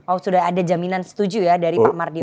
oh sudah ada jaminan setuju ya dari pak mardio